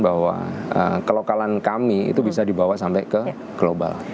bahwa kelokalan kami itu bisa dibawa sampai ke global